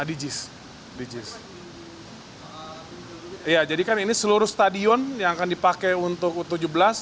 iya jadi kan ini seluruh stadion yang akan dipakai untuk u tujuh belas